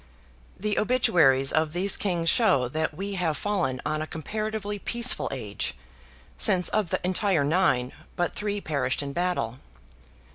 The obituaries of these kings show that we have fallen on a comparatively peaceful age, since of the entire nine, but three perished in battle.